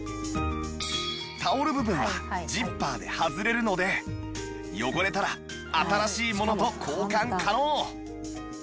タオル部分はジッパーで外れるので汚れたら新しいものと交換可能